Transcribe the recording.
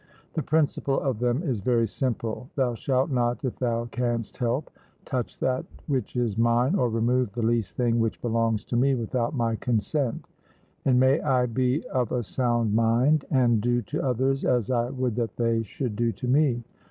The principle of them is very simple: Thou shalt not, if thou canst help, touch that which is mine, or remove the least thing which belongs to me without my consent; and may I be of a sound mind, and do to others as I would that they should do to me.